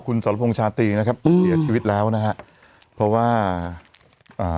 คุณสรพงษ์ชาตรีนะครับอืมเสียชีวิตแล้วนะฮะเพราะว่าอ่า